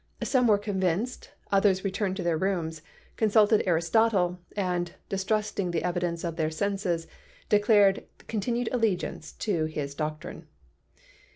Some were convinced, others returned to their rooms, consulted Aristotle, and, distrusting the evidence of their senses, declared continued allegiance to his doctrine."